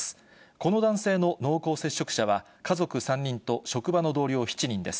この男性の濃厚接触者は家族３人と職場の同僚７人です。